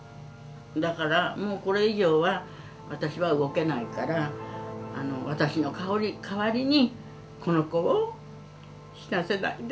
だからもうこれ以上は私は動けないから私の代わりにこの子を死なせないで」